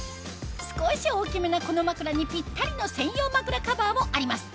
少し大きめなこの枕にピッタリの専用枕カバーもあります